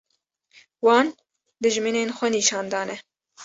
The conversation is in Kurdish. wan dijminên xwe nîşan dane